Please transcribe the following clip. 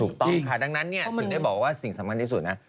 ถูกต้องค่ะดังนั้นเนี่ยถึงได้บอกว่าสิ่งสำคัญที่สุดนะ